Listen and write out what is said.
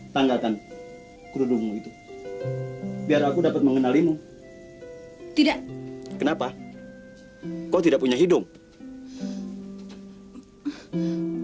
tanggatan kerudungmu itu biar aku dapat mengenalimu tidak kenapa kau tidak punya hidung